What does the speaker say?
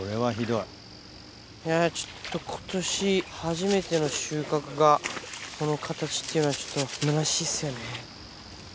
いやちょっと今年初めての収穫がこの形っていうのはちょっとむなしいですよね。